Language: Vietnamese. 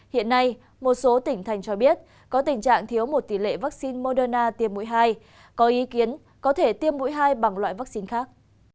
hiện nay một số tỉnh thành cho biết có tình trạng thiếu một tỷ lệ vaccine moderna tiêm mũi hai có ý kiến có thể tiêm mũi hai bằng loại vaccine khác